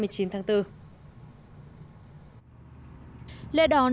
lê đón chính phủ vịnh xuân đài